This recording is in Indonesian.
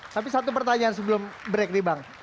tapi satu pertanyaan sebelum break nih bang